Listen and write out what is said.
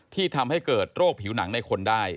ทำให้เกิดโรคผิวหนังในคนได้